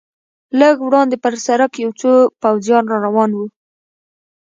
لږ وړاندې پر سړک یو څو پوځیان را روان و.